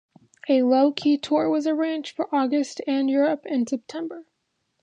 A low key tour was arranged for August and Europe in September.